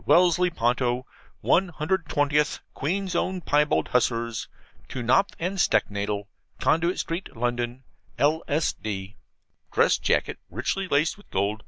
WELLESLEY PONTO, 120TH QUEEN'S OWN PYEBALD HUSSARS, TO KNOPF AND STECKNADEL, CONDUIT STREET, LONDON. L. s. d Dress Jacket, richly laced with gold